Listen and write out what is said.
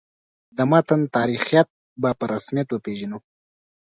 د متن تاریخیت به په رسمیت وپېژنو.